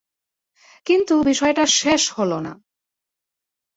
কিন্তু বিষয়টা শেষ হলো না।